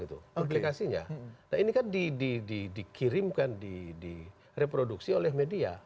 publikasinya ini kan dikirimkan direproduksi oleh media